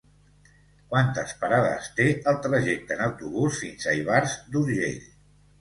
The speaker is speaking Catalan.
Quantes parades té el trajecte en autobús fins a Ivars d'Urgell?